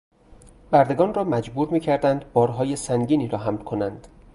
بردگان را مجبور میکردند بارهای سنگینی را حمل کنند.